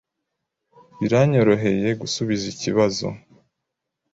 Biranyoroheye gusubiza ikibazo.